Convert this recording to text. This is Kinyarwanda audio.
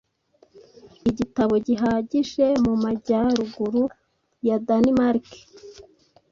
Igitabo gihagije mu majyaruguru ya Danemark